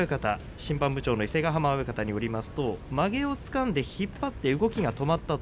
審判部長によりますとまげをつかんで引っ張って動きが止まったと。